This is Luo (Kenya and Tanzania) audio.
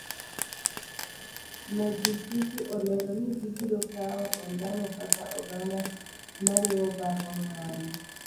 Majisifu olero ni gibiro kawo ondamo kaka oganda moriwo bago ng'anyo